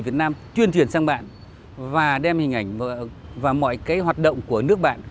việt nam tuyên truyền sang bạn và đem hình ảnh và mọi cái hoạt động của nước bạn